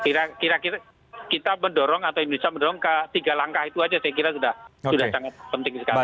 kira kira kita mendorong atau indonesia mendorong ke tiga langkah itu saja saya kira sudah sangat penting sekali